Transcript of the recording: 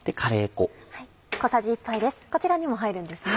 こちらにも入るんですね。